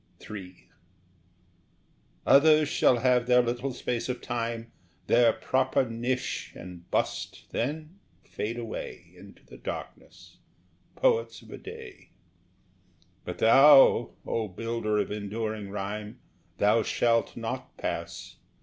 III Others shall have their little space of time, Their proper niche and bust, then fade away Into the darkness, poets of a day; But thou, O builder of enduring rhyme, Thou shalt not pass!